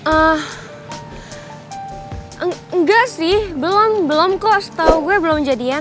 ah enggak sih belom belum kok setau gue belum jadian